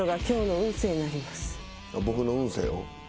僕の運勢を？